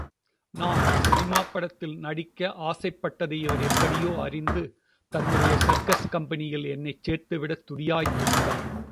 நான் சினிமாப்படத்தில் நடிக்க ஆசைப்பட்டதை இவர் எப்படியோ அறிந்து, தன்னுடைய சர்க்கஸ் கம்பெனியில் என்னைச் சேர்த்துவிடத் துடியாய்த் துடித்தார்.